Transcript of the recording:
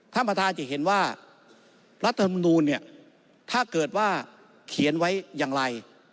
ท่านประธานจะเห็นว่ารัฐธรรมนูลเนี่ยถ้าเกิดว่าเขียนไว้อย่างไร